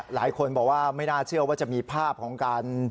หลายคนบอกว่าไม่น่าเชื่อว่าจะมีภาพของการ